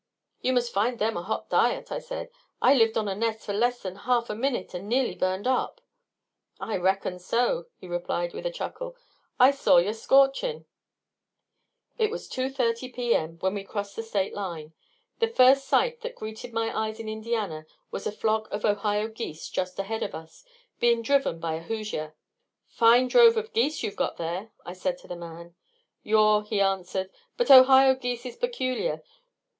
"You must find them a hot diet!" I said. "I lived on a nest of them less than half a minute and nearly burned up." "I reckon so," he replied with a chuckle. "I saw yer scorchin'." It was 2:30 P. M. when we crossed the state line. The first sight that greeted my eyes in Indiana was a flock of Ohio geese just ahead of us, being driven by a hoosier. "Fine drove of geese you've got there," I said to the man. "Yaw," he answered. "But Ohio geese is peculiar.